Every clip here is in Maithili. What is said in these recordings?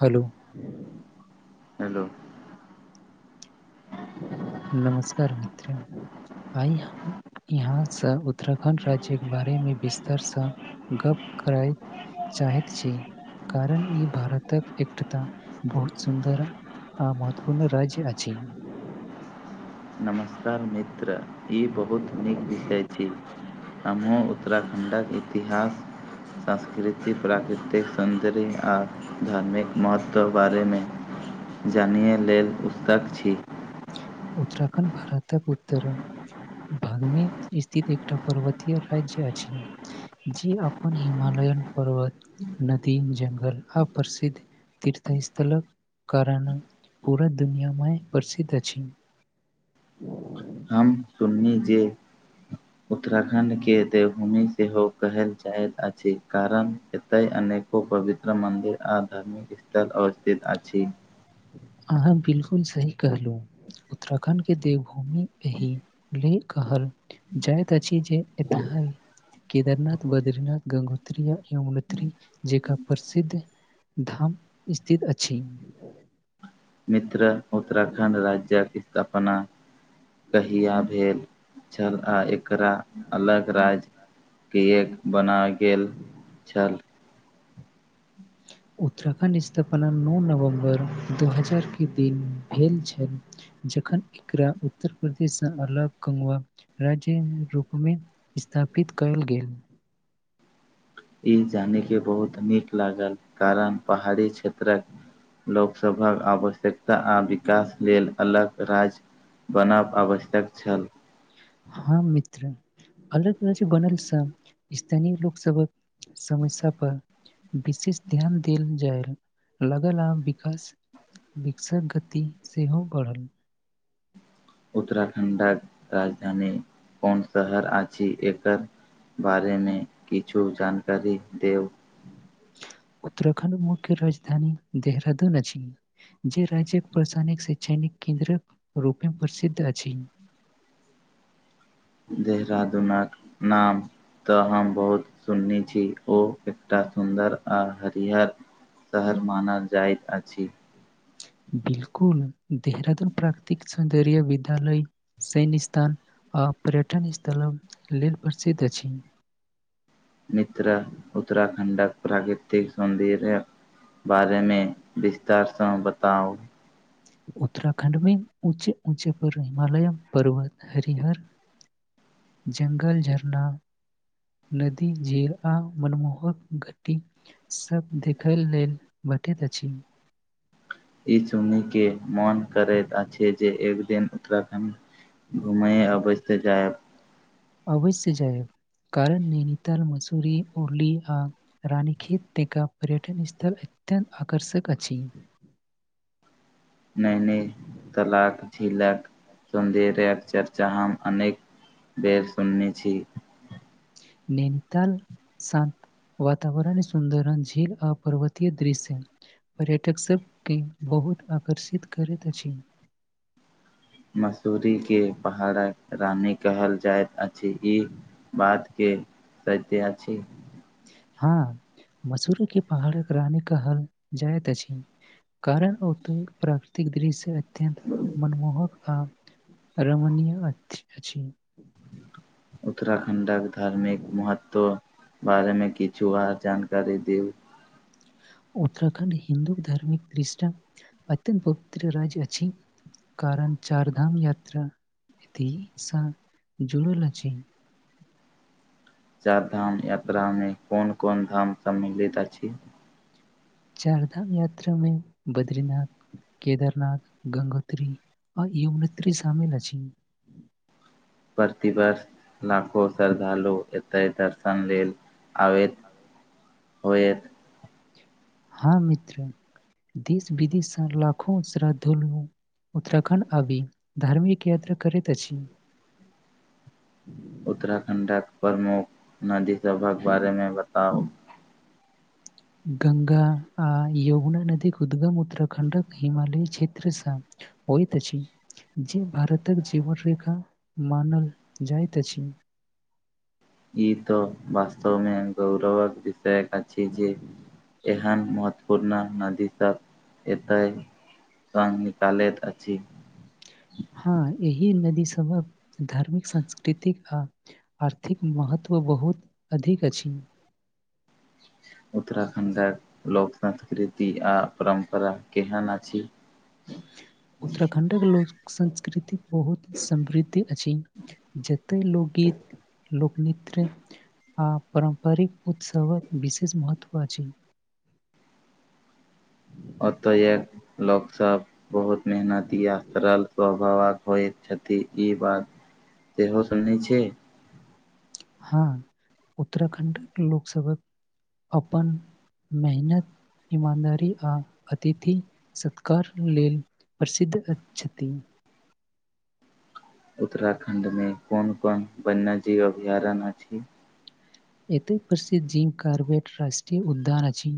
हलो हेलो [inaudible] नमस्कार मित्र आइ हम यहाँ से उत्तराखण्ड राज्यके बारे मे विस्तारसँ गप करय चाहैत छी कारण ई भारतक एकटा बहुत सुन्दर आ महत्वपूर्ण राज्य अछि नमस्कार मित्र ई बहुत नीक विषय छी हमहुँ उत्तराखण्डक इतिहास सांस्कृतिक प्राकृतिक सौन्दर्य आ धार्मिक महत्व बारेमे जानय लेल उस्तक छी उत्तराखण्ड भारतक उत्तर भागमे स्थित एकटा पर्वतीय राज्य अछि जे अपन हिमालय पर्वत नदी जंगल आ प्रसिद्ध तीर्थ स् थलक कारण पूरा दुनिआमे प्रसिद्ध अछि [inaudible] नि जे उत्तराखण्ड के देवभूमि सेहो कहल जाइत अछि कारण एतय अनेको पवित्र मन्दिर आ धार्मिक स्थल अवस्थित अछि अहाँ बिलकुल सही कहलू उत्तराखण्डके देवभूमि एहि लेल कहल जाइत अछि जे एतय है केदारनाथ बद्रीनाथ गंगोत्री या यमनोत्री जेका प्रसिद्ध धाम स्थित अछि मित्र उत्तराखण्ड राज्यक स्थापना कहिया भेल छल आ एकरा अलग राज्यके एक बनाइ गेल छल [inaudible] उत्तराखण्ड स्थापना नौ नवम्बर दू हजारके दिन भेल छल ज जखन एकरा उत्तर प्रदेशसँ अलग कंगवा राज्य रूपमे स्थापित पित कयल गेल ई जाने के बहुत नीक लागल कारण पहाड़ी क्षेत्रक लोकसभक आवश्यक आ विकास लेल अलग राज्य बनाब आवश्यक छल हँ मित्र अलग राज्य बनल स स्थानीय लोक सभक समस्या पर विशेष ध्यान देल जाय लगल आ विकाश विकसक गति सेहो बढ़ल उत्तराखण्डक राजधानी कोन शहर अछि एकर बारेमे किछु जानकारी देउ [inaudible] उत्तराखंड मुख्य राजधानी देहरादून अछि जे राज्य प्रशायनिक शैक्षणिक केन्द्रक रूपे प्रसिद्ध अछि देहरादूनाक नाम तऽ हम बहुत सुनने छी ओ एकटा सुन्दर आ हरियर शहर मानल जाइत अछि बिलकुल देहरादून प्राकृतिक सौन्दर्य विद्यालय सैन्य स्थान आ पर्यटन स्थलक लेल प्रसिद्ध अछि मित्र उत्तराखण्डक प्राकृतिक सौन्दर्य बारेमे विस्तारसँ बताउ उत्तराखण्डमे ऊँचे ऊँचे पर्व हिमालय पर्वत हरिहर जंगल झरना नदी झील आ मनमोहक घटी सब देखय लेल बतैत अछि ई सुनी के मन करैत अछि जे एकदिन उत्तराखण्ड घुमै अवश्य जायब अवश्य जायब कारण नैनीताल मसूरी उरली आ रानीखेत एक पर्यटन स्थल अत्यन्त आकर्षक अछि नहि नहि तलाक हिलक सधेय चर्चा हम अनेक बेर सुनने छी नैनीताल शांत वातावरण सुन्दर झील आ पर्वतीय दृश्य पर्यटक सब के बहुत आकर्षित करैत अछि मसूरी के पहाड़क रानी कहल जाइत अछि ई बातके सत्य अछि हँ मसूरी के पहाड़क रानी कहल जायइत अछि कारण औतऽक प्राकृतिक उ दृश्य अत्यन्त मनमोहक आ रमणीय अछि उत्तराखण्डक धार्मिक महत्व बारेमे किछु आहां जानकारी देब उत्तराखंड हिन्दू धार्मिक दृष्टा अत्यन्त पवित्र राज्य अछि कारण चार धाम यात्रा एतहि स जुड़ल अछि चार धाम यात्रामे कोन कोन धाम सम्मिलित अछि चार धाम यात्रामे बद्रीनाथ केदारनाथ गगोत्री अ यमनोत्री शामिल अछि प्रतिवर्ष लाखो श्रद्धालु एतैय दर्शन लेल अबैत अबे होयत हँ मित्र देश विदेश स लाखो श्रद्धालु उत्तराखण्ड आबि धार्मिक यात्रा करैत अछि उत्तराखण्डक प्रमुख नदीसभक बारेमे बताउ [inaudible] गंगा आ यमुना नदीक उद्गम उत्तराखण्डक हिमालय क्षेत्रसँ होइत अछि जे भारतक जीवन रेखा मानल जाइत अछि [inaudible] ई त वास्तव मे गौरवक विषय अछि जे एहन महत्वपूर्ण नदीसँ एतै स निकलैत अछि इ नदी सबहक धार्मिक सांस्कृतिक आ आर्थिक महत्व बहुत अधीक अछि उत्तराखण्डक लोक संस्कृति आ परम्परा केहन अछि उत्तराखण्डक लोक संस्कृति बहुत समृद्ध अछि जतेय लोकगीत लोकनृत्य आ पारम्परिक उत्सवक विशेष महत्व अछि [inaudible] ओतयक लोक सब बहुत मेहनती आ सरल स्वभाव बक होइत छथि ई बात सेहो सुै छी हँ उत्तराखण्ड लोकसभक अपनन मेहनत ईमानदारी आ अतिथि सत्कार लेल प्रसिद्ध छथि उत्तराखण्डमे कोन कोन वन्यजीव अभयारण्य अछि एतय प्रसिद्ध जिम कार्वेट राष्ट्रीय उद्यान अछि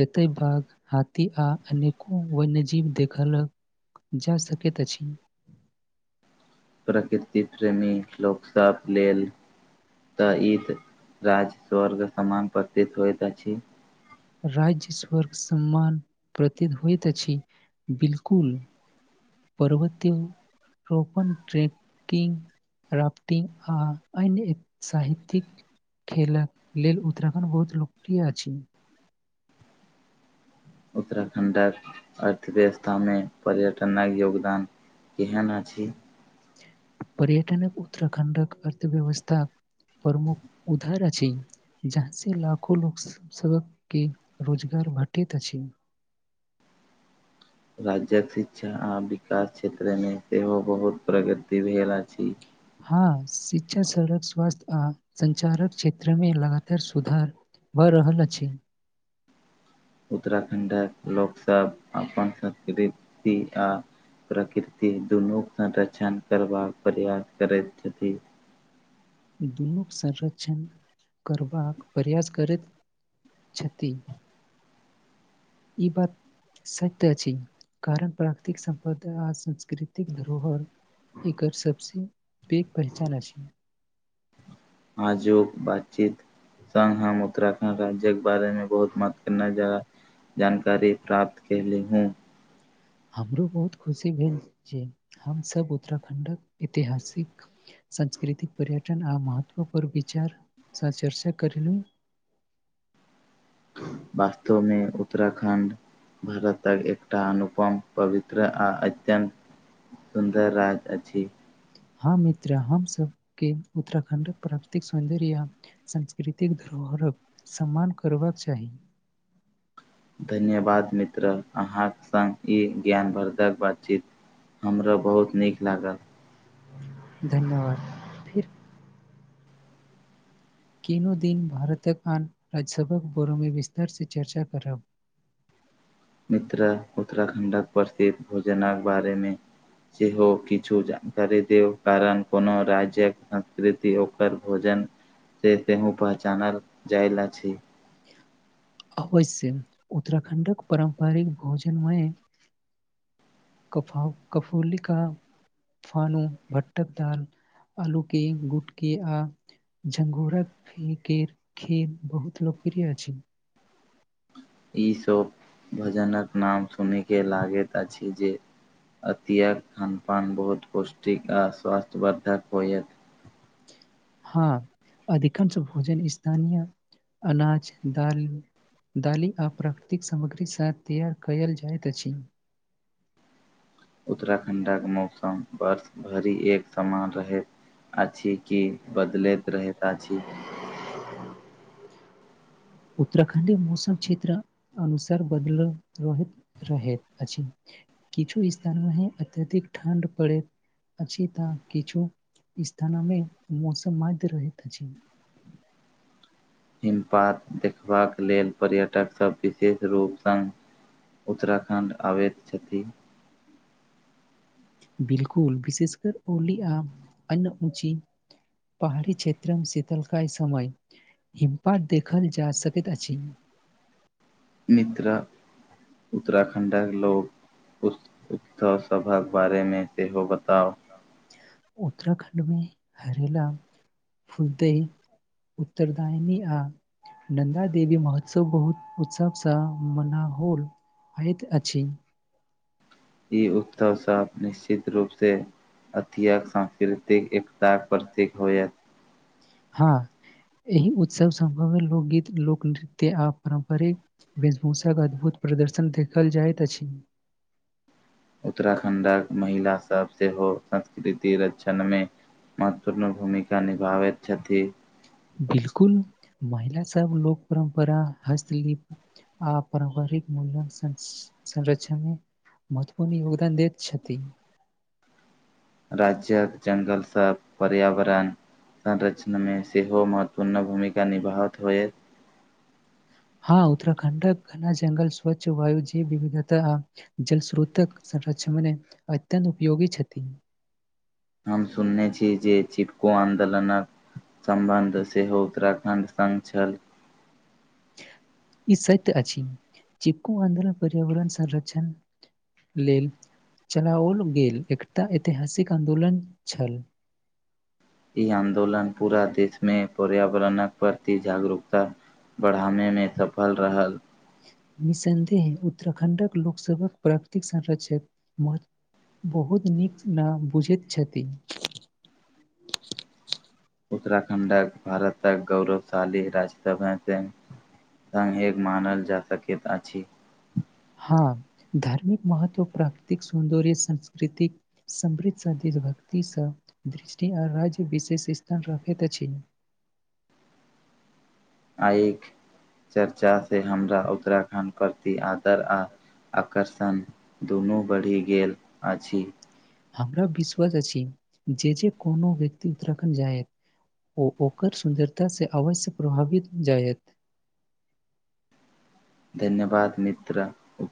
जते बघ हाथी आ अनेको वन्यजीव देखलक जा सकैत अछि प्रकृति प्रेमी लोकसभ लेल तऽ ई त राज स्वर्ग समान पतित होइत अछि राज्य स्वर्ग सम्मान प्रतित होइतत अछि बिलकुल पर्वतीय रोपन ट्रैकिंग राफ्टिंग आ अन्य साहित्यिक खेल लेल उत्तराखण्ड बहुत लोकप्रिय अछि उत्तराखण्डक अर्थव्यवस्थामे पर्यटनक योगदान केहन पर्यटनकक उत्तराखं्डक अर्थव्यवस्था प्रमुख उद्धार अछि जहाँ से लाखो लोक सभक के रोजगार भाटत छी राज्यक शिक्षा आ विकास क्षेत्रमे सेहो बहुत प्रगति भेल अछि हँ शिक्षा सड़क स्वास्थ्य आ संचारक क्षेत्रमे लगातार सुधार भऽ रहल अछि उत्तराखण्डक लोकसभ अपन संस्कृति आ प्रकृति दुनूके संरक्षण करबाक प्रयास करैत छथि दुनूक संरक्षण करबाक प्रयास करैत छति इबत सत्य अछि छी कारण प्राकृतिक सम्पद आ सांस्कृतिक धरोहर एकर सभसँ पैघ पहचान अछि आजूक बातचीत संग हम उत्तरा राज्य के बारे में बहुत मात करना जा रहा जानकारी प्राप्त कएली हूँ हमरो बहुत खुशी भेल जे हमसभ उत्तराखंडक ऐतिहासिक सांस्कृतिक पर्यटन आ महत्व परर विचार चर्चा करल ह वास्तवमे उत्तराखण्ड भारतक एकटा अनुपम पवित्र आ अत्यन्त सुन्दर राज अछि हँ मित्र हम सबके उत्तराखंडक प्राकृतिक सौंन्दर्य य सांस्कृतिक धरोहर भर सम्मान करबाक चाही धन्यवाद मित्र अहाँक सङ्ग ई ज्ञानवर्धक बातचीत हमरा बहुत नीक लागल धन्यवाद फिर तीनो दिन भारतक आन राज्यसभा बोरो मे विस्तार से चर्चा करब ह मित्र उत्तराखण्डक प्रसिद्ध भोजनक बारेमे सेहो किछु जानकारी देौ कारण कोनो राज्यक संस्कृति ओकर भोजन से सेहोहूँ पहचानल जाइ लए छी अवश्य उत्तराखण्डक पारम्परिक भोजनमय कफ कफूलिखा फानू भटक दाल आलू के गुटके आ झघूरा फ खेत बहुत लोको फ अ ईसभ भजनक नाम सुनयके लागैत अछि जे अतिय खानपान बहुत पौष्टिक आ स्वास्य बर्धा होएत हँ अधिकांश भोजन स्थानीय अनाज दाल दालि आ प्राकृतिक सामग्री साथ तैयार कयल जाइत अछि [inaudible] उत्तराखंडाके मौसम बर्ष भरि एक समान रहय अछि की बदलैत रहैत अछि उत्तराखंड मौसम क्षेत्र अनुसार बदलैत रहैत अछि किछु स्थानमे हे अत्यधिक ठण्ड पड़ै अछि तऽ किछु स्थानमे मौसम मध्य रहैत अछि [inaudible] हिमपात देखबाक लेल पर्यटकसब विशेष रूपस उत्तराखंड आवैत छथि बिल्कुल विशेेष कर उली अन उची पहाड़ी क्षेत्रक शीतलकाय समय हिमपात देखल जा सकैत अछि मित्र उत्तराखंडक लोक उ उत्सव सबक बारेमे सेहो बताउ उत्तराखंडमे हरेला फुलदई उत्तरदायनी आ नन्दा देवी महोत्सव बहुत उत्साह स मना होल हैत अ छी ई उत्सव से निश्चित रूपसे अति सांस्कृतिक एकताके प्रतीक होयत हाँ एहि उत्सव समभवमे लोकगीत लोक नृत्य आ पारम्परिक वेशभूषा अद्भुत प्रदर्शन देखल जाइत अछि उत्तराखंडक महिला सब सेहो संस्कृति रक्षणमे महत्वपूर्ण भूमिका निभाबैत छथि बिल्कुल महिला सब लोक परम्परा हस्तलिप आ पारम्परिक मूल्यक संरक्षण महत्वूपर्ण योगदान देत छथि राज्य जंगल सब पर्यावरण संरकक्षण मे सेहो महत्वपूर्ण भूमिका निभाबैत होय [inaudible] हाँ उत्तराखंडक घना जंगल स्वच्छ वायु जे विविधता जल स्रोतक क्मने अत्यत उपयोगी छथि हम सुनने छी जे चिपको आन्दोलन सम्बन्ध सेहो उत्तराखण्ड संग छल ई सत्य अछि चिपको आन्दोलन पर्यावरण संरक्षण लेल चलाओल गेल एकटा ऐतिहासिक आन्दोलन छल [inaudible] ई आन्दोलन पूरा देशमे पर्यावरणक प्रति जागरूकता बढ़ाबे मे सफल रहल निसन्देह है उत्तराखंडक लोकसभक प्राकृतिक संरक्षण बहुत नीक न बुझैत छथिन उत्तराखंडक भारतक गौरवशाली राज्यद हते सं एक मानल जा सकैत अछि हाँ धार्मिक महत्व प्राकृतिक सौन्दर्य संस्कृतिक समृद्ध सा भक्ति स दृष्टि आ राज्य विशेष स्थान रखैत अछि आयक चर्चा से हमरा उत्तराखंड के प्रति आदर आ आकर्षण दुनू बढ़ि गेल अछि हमरा विश्वास अछि जे जे कोनो व्यक्ति उत्तराखंड जायत ओ ओकर सुन्दरता से अवश्य प्रभावित जायत धन्यवाद मित्र उ